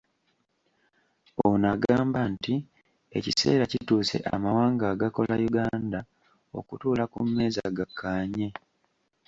Ono agamba nti ekiseera kituuse amawanga agakola Uganda okutuula ku mmeeza gakkaanye.